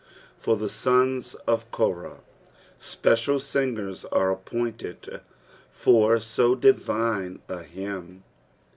For the sons ol Koiah. Speciai singers are appointed for so divine a kymn.